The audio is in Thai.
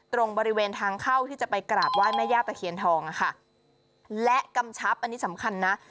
ตรงบริเวณทางเข้าที่จะไปกราบไหว้แม่ย่าตะเคียนทองอะค่ะและกำชับอันนี้สำคัญนะ